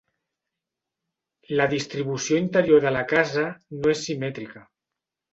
La distribució interior de la casa no és simètrica.